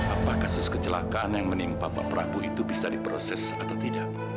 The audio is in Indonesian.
apakah kasus kecelakaan yang menimpa pak prabowo itu bisa diproses atau tidak